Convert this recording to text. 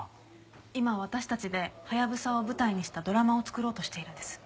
今私たちでハヤブサを舞台にしたドラマを作ろうとしているんです。